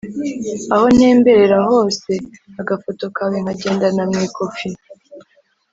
aho ntemberera hose, agafoto kawe nkagendana mu ikofi